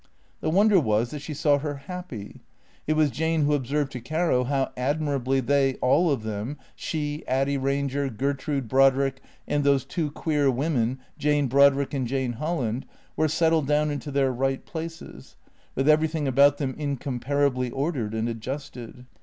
The wonder was that she saw her happy. It was Jane who observed to Caro how admirably they all of them, she, Addy Eanger, Gertrude, Brodrick, and those two queer women, Jane Brodrick and Jane Holland, were settled down into their right places, with everything about them incomparably ordered and adjusted.